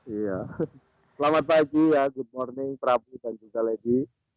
iya selamat pagi ya good morning prabu dan juga lady